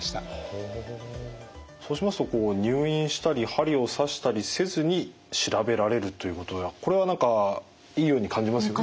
ほうそうしますと入院したり針を刺したりせずに調べられるということではこれは何かいいように感じますよね。